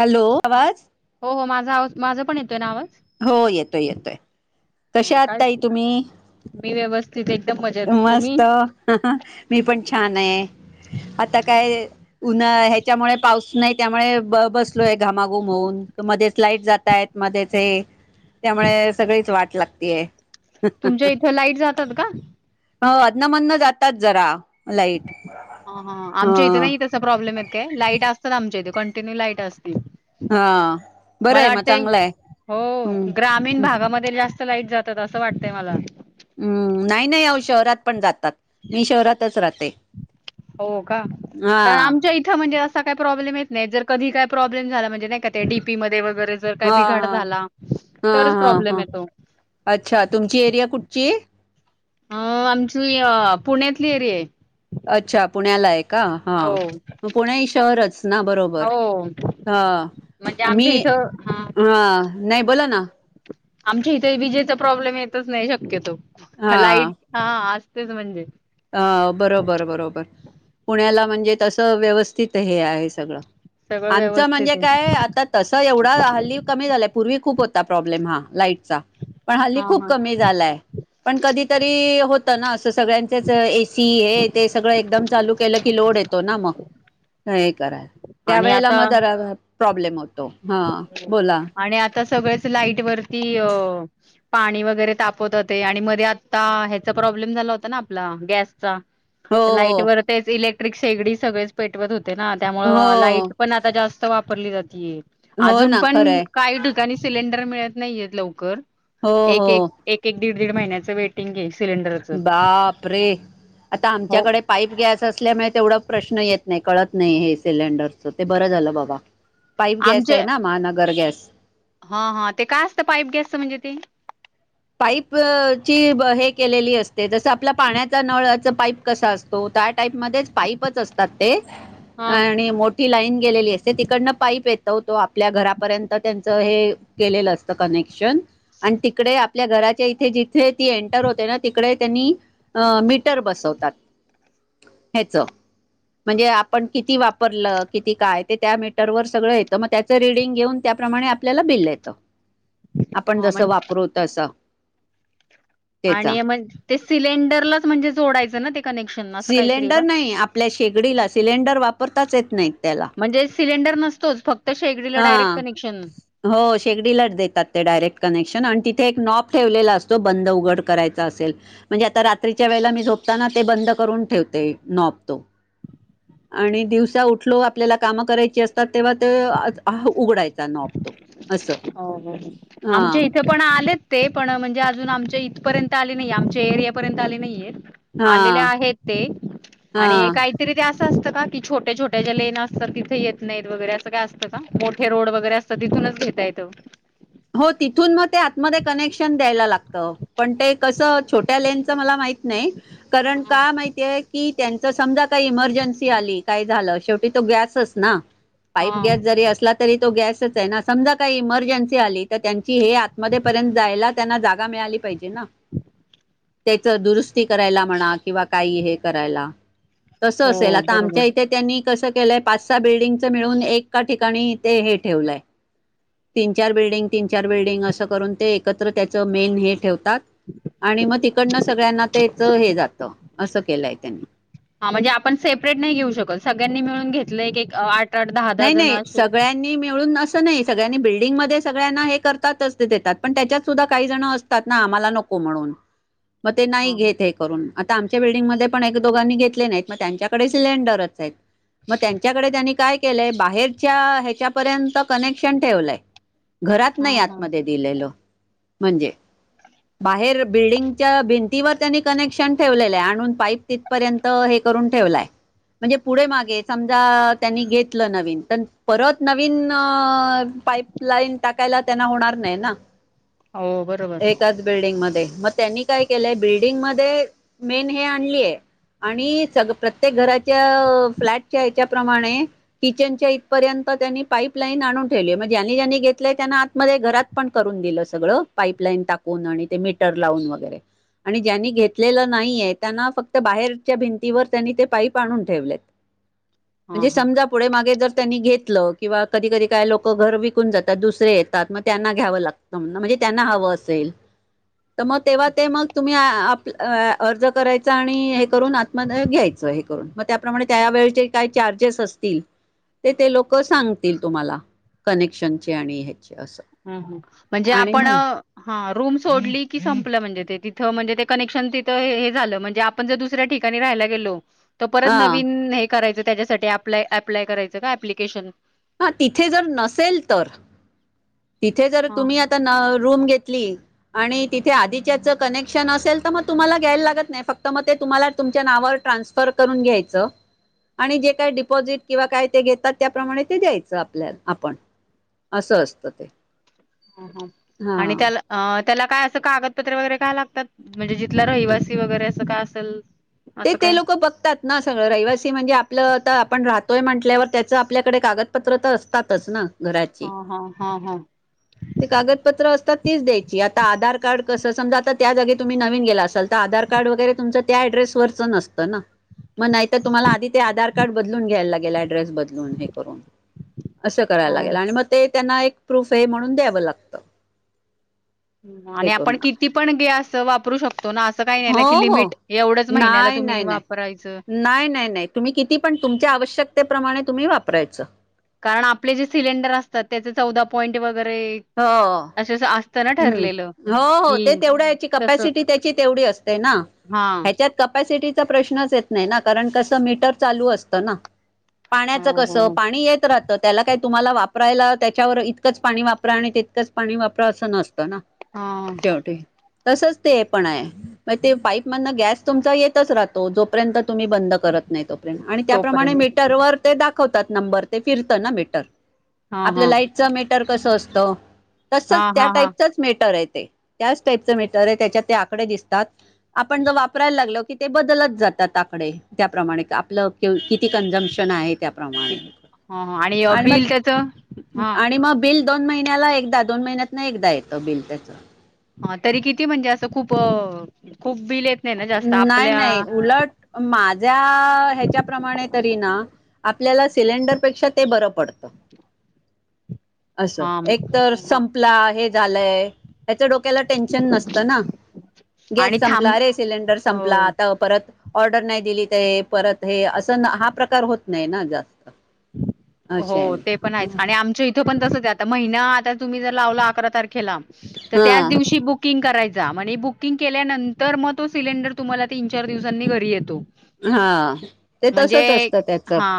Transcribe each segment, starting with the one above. Hello आवाज. हो हो माझा आवाज, माझं पण येतोय ना आवाज? हो येतोय येतोय. ह कश्या आहात काय? ताई तुम्ही मी व्यवस्थित एकदम मजेत तुम्ही मस्त. मी पण छान आहे, आता काय उन्हा ह्याच्यामुळे पाऊस नाही. त्यामुळे ब-बसलोय घामाघूम होऊन मध्येच लाईट जातांय मध्येच हे त्यामुळे सगळीच वाट लागतीय. तुमच्या इथं लाईट जातात का? ह आधण मदन जातात जरा लाईट ह! चा प्रॉब्लेम आहेत काय, लाईट असतात आमच्या इथे कंटिन्यू लाईट असती. हा बरं आहे मला मग वाटतय चांगलं आहे हो हम्म ग्रामीण हम्म भागामध्ये जा स्त लाईट जातात असं वाटतंय मला. हू नाही नाही अहो शहरात पण जातात, मी शहरातच राहते. हो का हा कारण आमच्या इथं म्हणजे अ सा काय प्रॉब्लेम येत नाही, जर कधी काय प्रॉब्लेम झाला म्हणजे नाही का ते डीपीमध्ये वैगेरे. जर काही हा बिघाड हा झाला हा तरच हा प्रॉब्लेम हा येतो. अच्छा तुमची एरिया कुठची? अ आमची पुण्यातली एरिया आहे. अच्छा पुण्याला आहे का, हो हा पुणे ही शहरच ना बरोबर. हो म्हणजे हा मी आमच्या इथं हा नाही बोला नां. आमच्या इथे विजेचा प्रॉब्लेम येतच नाही शक्यतो लाईट हां. हा असतेच म्हणजे. अ बरोबर बरोबर पुण्याला म्हणजे तसं व्यवस्थित हे आहे सगळं. सगळं आमचं व्यवस्थित म्हणजे आहे काय आता. तस एवढा हल्ली कमी झालाय पूर्वी खूप होता प्रॉब्लेम हा लाईटचा. पण हल्ली हा खूप हा कमी झालाय, पण कधीतरी होत ना अस सगळ्यां तेच ए सी हे ते सगळं एकदम चालू केलं की लोड येतो ना म. हे करा त्या आणि वेळेला मग आता जरा प्रॉब्लेम होतो हा बोला. आणि आता सगळे. लाईट वरती अ. पाणी वगैरे तापवत होते आणि मध्ये आत्ता ह्याचा प्रॉब्लेम झाला होता ना आपला गॅसचा. हो तर लाईट वर तेच इलेक्ट्रिक शेगडी सगळेच पेटवत होते ना हो त्यामुळ हो लाईट पण आता जा वापरली जाती ये हो अजून ना पण खरंय काही ठिकाणी सिलेंडर मिळत नाहीयेत लवकर. हो हो एक-एक एक दीड दीड महिन्याचं वेटिंग हे सिलेंडर बाप रे! आता हो आमच्याकडे पाईप गॅस असल्यामुळे, तेवढा प्रश्न येत नही, कळत नही हे सिलेंडर ते बरं झालं बाबा, पाईप गॅस ये ना, महानगर गॅस हं हं, ते काय असतं, पाईप गॅसच म्हणजे ते? पाईप ची, हे केलेली असते, जसं आपल्या पाण्याचा नळाच पाईप कसा असतो, त्या टाईप मध्ये पाईपच असतात ते, हा आणि मो ठी लाईन गेलेली असते, तिकडनं पाईप येतो, तो आपल्या घरापर्यंत, त्यांचं हे केलेलं असत कनेक्शन, अन तिकडे आ पल्या घराच्या इथे, जिथे ती एंटर होते ना, तिकडे त्यांनी, अ मीटर बसवतात ह्याच. म्हणजे आपण किती वापरलं, किती काय, ते त्या मीटरवरर सगळं येतं, मग त्या त रीडिंग घेऊन, त्याप्रमाणे आपल्याला बिल येतं. आपण, हा जसं म्हण वापरू तसं. त्याचा आणि म, ते सिलेंडरलाच, म्हणजे जोडायचं ना ते, कनेक्शन? असं काहीतरी आहे का सिलेंडर नही, आपल्या शेगडीला, सिलेंडर वापरताच येत नही त्याला. म्हणजे सिलेंडर नसतोच, फक्त शेगडीला डायरेक्ट हा कनेक्शन. हो शेगडीलाच देतात, ते डायरेक्ट कनेक्शन, अन तिथे एक नॉब ठेवलेला असतो, बंद-उघड करायचा असेल म्हणजे आता रात्रीच्या वेळेला, मी झोपताना, ते बंद करून ठेवते, नाॅब तो. आणि दिवसा उठलो, आपल्याला कामं करायची असतात, तेव्हा तो हह उघडायचा नाॅब तो, असं, हो हो आमच्या अं. इथे पण आलेत ते पण, म्हणजे अजून आमच्या इथपर्यंत आले नही, आमच्या एरियापर्यंत आले नहीये. हा आलेले आहेत ते, हा आणि काय तरी ते अस असतं का, छोट्या-छोट्या ज्या लेन असता, तिथ येत नाहीत वगैरे, असं काय अस तं का? मोठे रोड वगैरे असतात, तिथूनच घेता येतं? हो तिथून म ते, आतमध्ये कनेक्शन द्यायला लागत, पण ते कसं, छोट्या लेनचं मला माहि त नही, कारण का माहितीये? की त्यांच समजा काही इमर्जन्सी आली, काय झालं, शेवटी तो गॅसच ना? पाईप हा. गॅस जरी असला तरी, तो गॅसच ये ना, समजा काही इमर्जन्सी आली, तर त्यांची हे आतमध्ये पर्यंत जायला, त्यांना जागा मिळाली पाहिजे ना? त्याच दुरुस्ती करायला म्हणा, किंवा काही हे करायला तसं असेल, हो आता बरोबर. आमच्या इथे त्यांनी कसं केलंय, पाच सहा बिल्डिंगच मिळून, एका ठिकाणी ते, हे ठेवलंय तीन चार बिल्डिंग, तीन चार बिल्डिंग, असं करून, ते एकत्र त्याचं मेन हे ठेवतात. आणि म तिकडनं सगळ्यांना, तेच हे जातं, असं केलंय त्यांनी. हां, म्हणजे आपण सेपरेट नही घेऊ शकत, सगळ्यांनी मिळून घेतलं, एक आठ आठ दहा दहा नही- जण नही असे. सगळ्यां नी, मिळून अस नही, सगळ्यांनी बिल्डिंग मध्ये सगळ्यांना हे करतातच, देतात पण त्याच्यात सुद्धा काही जण अस तात ना, आम्हाला नको म्हणून, म ते नाही हा हा घेत हे करुन, आता आमच्या बिल्डिंगमध्ये, पण एक दोघांनी घेतले नाहीत, मग त्यांच्याकडे सिलेंडरच येत. म त्यांच्याकडे, त्यांनी काय केलंय, बाहेरच्या ह्याच्या पर्यंत कनेक्शन ठेवलय, घरात हा नाही हा आतमध्ये. दिलेल, म्हणजे बाहेर बिल्डिंगच्या भिंतीवर, त्यांनी कनेक्शन ठेवलेले, आणून पाईप ति पर्यंत हे करून ठेवलाय, म्हणजे पुढे मागे समजा, त्यांनी गेत लं नवीन, पण परत नवीन, पाईपलाईन टाकायला, त्यांना होणार नाही ना? [inaudible] हो बरोबर बिल्डिंग मध्ये मग त्यांनी काय केलंय बिल्डिंग मध्ये मेन हे आणलीय आणि प्रत्येक घराच्या फ्लॅटच्या ह्याच्याप्रमाणे किचनच्या इथपर्यंत त्यांनी पाईप लाईन आणून ठेवली. म्हणज ज्यानी ज्यांनी घेतलंय त्यांना आतमध्ये घरात पण करून दिलं सगळं पाईपलाईन टाकून आणि ते मीटर लावून वगैरे आणि ज्यांनी घेतलेलं नाहीय त्यांना फक्त बाहेरच्या भिंतीवर त्यांनी ते पाईप आणून ठेवलेत. हा म्हणजे हा समजा पुढे मागे जर त्यांनी घेतलं. किंवा कधी कधी काय लोकं घर विकून जातात दुसर येतात मग त्यांना घ्यावं लागतं म्हणजे त्यांना हवं असेल. तर मग तेव्हा ते मग तुम्ही आप अर्ज करायचा आणि हे करून म घ्यायचं हे करून मग त्याप्रमाणे त्यावेेळेचे काही चार्जेस असतील ते ते लोक सांगतील तुम्हाला कनेक्शनचे आणि हे हम् हम म्हणजे आपण हा रूम सोडली की संपलं. म्हणजे ते तिथं म्हणजे ते कनेक्शन तिथं हे झालं म्हणजे आप ण जर दुसऱ्या ठिकाणी राहायला गेलो त परत हा नवीन हे करायचं त्याच्यासाठी अप्लाय अप्लाय करायचं का प्लिकेशन? हा तिथे जर नसेल तर तिथे जर हा तुम्ही आता रूम घेतली आणि तिथे आधीच्याच कनेक्शन असेल तर मग तुम्हाला घ्यायला लागत नाही. फक्त मग ते तुम्हाला तुमच्या नावावर ट्रान्स र करून घ्यायचं. आणि जे काय डिपॉझिट किंवा काय ते घेतात त्याप्रमाणे ते द्यायचं आपल्याला आपण. असं असतं ते. हा हा आणि त्याला अ त्याला काय असं कागदपत्रे वगैरे काय लागतात? म्हणजे जिथला रहिवासी वगैरे असं काय असेल? ते असं ते काय लोक बघतात. ना सगळं रहिवासी म्हणजे आपलं आता आपण राहतोय म्हटल्यावर त्याचं आपल्याकडे कागदपत्र तर असतातच ना. हा घराची. हा हा हा ते कागदपत्र असतात तीच द्यायची. आता आधार कार्ड कसं समजा आता त्या जागी तुम्ही नवीन गेला असाल तर आधार कार्ड वगरे अड्रेसरच नसत ना. मग नाही तर तुम्हाला आधी ते आधार कार्ड बदलून घ्यायला लागेल ऍड्रेस बदलून हे करून. असं करायला लागेल आणि मग ते त्यांना एक प्रूफ आहे म्हणून द्यावं लागत. आणि आपण किती पण गॅस वापरू शकतो तो ना असं काही नाही ना हो की हो लिमिट एवढ्याच महिन्याला नाही तुम्ही नाही नाही वापरायचं? नाही नाही नाही तुम्ही किती पण तुमच्या आवश्यकतेप्रमाणे तुम्ही वापरायचं. कारण आपले जे सिलेंडर असतात त्याचे चौदा पॉईंट वगैरे हो [unintelligible] असतना. हम्म हो हो ते तेवढ्या याची तस कपॅसिटी त्याची तेवढी असते ना. हा ह्याच्यात कपसिटीचा प्रश्नच येत नाही ना. कारण कसं मीटर चालू असतं ना. पाण्याचं हो हो कसं हो पाणी येत राहतं. त्याला काय तुम्हाला वापरायला त्याच्यावर इतकंच पाणी वापर वापरा आणि तितकंच पाणी वापर असं नसतं ना हा शेवटी. तसंच ते पण आहे. मग ते पाईप मदन गॅस तुमचा येतच राहत जोपर्यंत तुम्ही बंद करत नाही तोपर्यंत. आणि त्याप्रमाणे तोपर्यंत मीटरवरा दाखवतात नंबर, ते फिरत ना मी, हा आपल्या हा लाईटच मीटर कसं असत? हा तसच त्या हा हा टाईपचंच मेटर आहे ते, त्याच टाईपचं मीटर आहे त्याच्यात ते आकडे दिसतात. आपण जो वापरायला लागलो की, ते बदलत जातात आकडे त्याप्रमाणे, आपलं किती कन्झम्पशन आहे त्या प्रमाणे हा हा आणि मग, बिल त्याच हा आणि मग बिल दोन महिन्याला एकदा, दोन महिन्यात ना एकदा येतं बिल त्याचं. ह तरी किती म्हणजे असं? खूप खूप बिल येत नाही ना जास्त नाही आपल्या नाही, उलट माझ्या ह्याच्याप्रमाणे तरी ना आपल्याला सिलेंडरपेक्षा ते बरं पडतं. असं हा एक तर सं पला हे झालाय, त्याच्या डोक्याला टेनशन नसत ना आणि गॅस थांब संपला रे? सिलेंडर संपला हो आता परत ऑर्डर नाही दिलीत आहे, परत हे असं हा प्रकार होत नाही ना जास्त. [inaudible] हो ते आहे पण आहेच आणि आमच्या इथ तो पणं तसच हाय आता, महिना आला तुम्ही जर लावला अकरा तारखेला, तर त्या हा दिवशी बुक बुकिंग करायचा म्हनी, बुकिंग केल्यानंतर मग तो सिलेंडर तुम्हाला तीन चार दिवसांनी घरी येतो. हा ते तसच म्हणजे असतं त्याच हा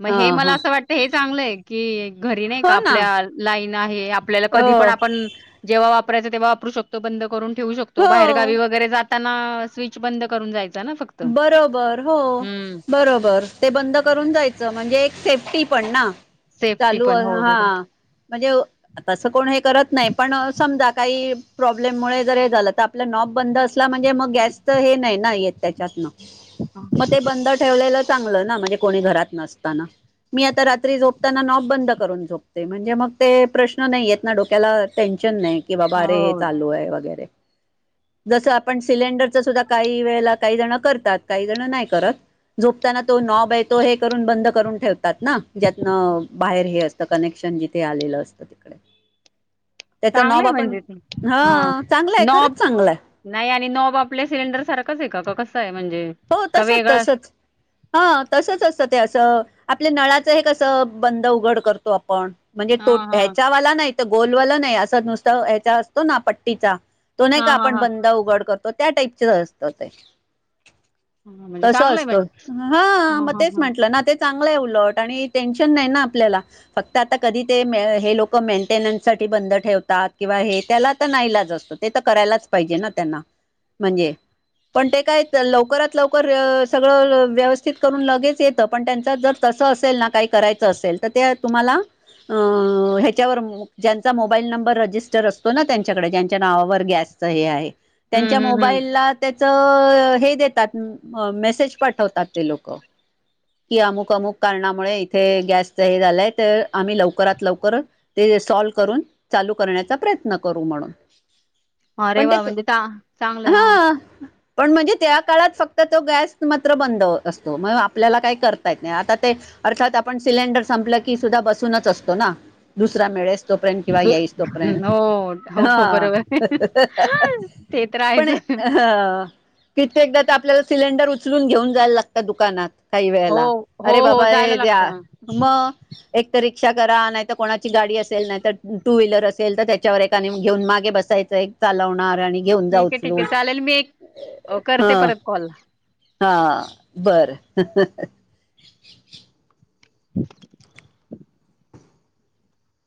मग हे मला हा अस वाटत हे चांगलंय, की घरी नाही का हो ना आपल्या लाईन आहे, आपल्याला कधी पण हो आपण जेव्हा वापरायचं तेवा वापरू शकतो बंद करून ठेऊ शकतो, बाहेर हो गावी वगैर जात त्यांना स्विच बंद करून जायचं ना फक्त. बरोबर हो. हम्म बरोबर. ते बंद करून जायचं म्हणजे एक सेफ्टी पण ना, सेफ्टी चालू पण हो हा. म्हणजे असं कोण हे करत नाही, पण समजा काही प्रॉब्लेममुळे जर हे झालं, तर आपला नॉब बंद असला म्हणजे मग गॅस च हे नाही ना येत त्याच्यात न, बरोबर मग ते बंद ठेवलेलं चांगलं ना म्हणजे कोणी घरात नसताना. मी आता रात्री झोपताना नॉब बंद करून झोपते म्हणजे मग ते प्रश्न नाही येत ना, डोक्याला टेन्शन नाही की, बाबा अरे हे हो चालू हाय वगैरे. जस आपण सिलेंडरच सुद्धा काही वेळेला काही जण करतात, काही जण नाही करत. झोपताना तो नॉब हाय तो, हे करून बंद करून ठेवतात ना, ज्यातन बाहेर हे असत कनेक्शन जिथे आलेलं असतं तिकडे. त्याचा चांगलं नॉब आहे आपण, म्हणजे ते हा चांगला हाय, नॉब खरंच चांगलं हाय. नाही आणि नॉब आपल्या सिलेंडर सारखंच आहे का? का कसं आहे म्हणजे? हो का तसच वेगळा तसच. हा तसंच असतं ते असं. आपल्या नळाचं हे कसं बंद उघड करतो आपण. म्हणजे हा तो हा ह्याच्यावाला नाही, तो गोलवाला नाही असं नुसत ह्याचा असतो ना पट्टीचा तो नाही का? हा हा आपण हा बंद उघड करतो, त्या टाईपच असत ते. हा, म्हणजे तस चांगलंय असतं. म्हणजे हा ह मग ह तेच ह म्हंटलं ना, तेच चांगलंय उलट आणि टेन्शन नाही ना आपल्याला. फक्त आता कधी ते मे हे लोक मेंटेनन्स साठी बंद ठेवतात किंवा हे त्याला आता नाईलाज असतो. ते तर करायलाच पाहिजे ना त्यांना म्हणजे पण ते काय लवकरात लवकर सगळं व्यवस्थित करून लगेच येतं, पण त्यांचं जर तसं असेल ना, काही करायचं असेल तर त्या तुम्हाला अ ह्याच्यावर मो ज्यांचा मोबाईल नंबर रजिस्टर असतो ना, त्यांच्याकडे ज्यांच्या नावावर गॅस चा हे आहे, हम्म त्यांच्या हम्म हम्म मोबाईलला त्याच हे देतात. मेसेज पाठवतात ते लोक. कि अमुक, अमुल, कारणामुळे इथे गॅसच हे झालाय, तर आम्ही लवकरात लवकर ते सॉल्व करून, चालू करण्याचा प्रयत्न करू म्हाणून. अरे पण ते, वा म्हणजे चांगलंय हा ही. पण म्हणजे त्या काळात फक्त आता तो गॅस मात्र बंद असतो. मग आपल्याला काही करता येत नाहीत. आता ते अर्थात आपण सिलेंडर संपलं की सुद्धा बसूनच असतो ना. दुसरा मेळेस तोपर्यंत किंवा येईस तोपर्यंत. हो हो हा. बरोबर आहे ते तर पण, आहेच ह. कित्येकदा तर आपल्याला सिलेंडर उचलून घेऊन जायला लागतं दुकानात. काही हो वेळेला, हो अरे हो बाबा जायला हे ज्या. लागतं मग एक तर रिक्षा करा, नाहीतर कोणाची गाडी असेल नाही तर टू व्हीलर असेल कर, त्याच्यावर एकाने घेऊन मागे बसायचं. एक चालवणार आणि घेऊन जा ठीक आहे ठीक उचलून आहे चा केल, मी एक हा करते परत कॉल. हा बरं हा हा हा. [inaudible]